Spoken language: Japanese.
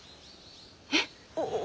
えっ。